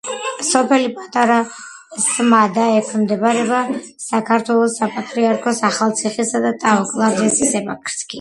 სოფელი პატარა სმადა ექვემდებარება საქართველოს საპატრიარქოს ახალციხისა და ტაო-კლარჯეთის ეპარქიას.